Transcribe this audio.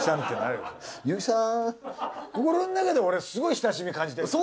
心の中で俺すごい親しみ感じてるから。